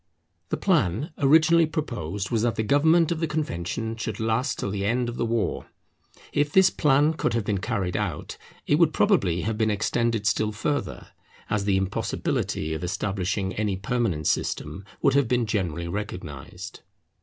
The plan originally proposed was that the government of the Convention should last till the end of the war. If this plan could have been carried out, it would probably have been extended still further, as the impossibility of establishing any permanent system would have been generally recognized.